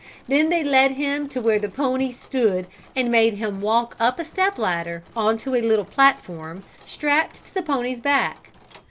Then they led him to where the pony stood and made him walk up a step ladder, onto a little platform, strapped to the pony's back.